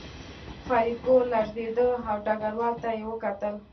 فریدګل لړزېده او ډګروال ته یې وکتل